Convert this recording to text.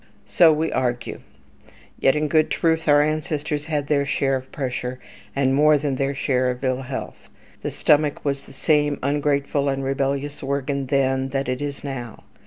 So we argue. Yet in good truth our ancestors had their share of pressure, and more than their share of ill health. The stomach was the same ungrateful and rebellious organ then that it is now.